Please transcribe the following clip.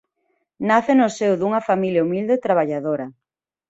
Nace no seo dunha familia humilde e traballadora.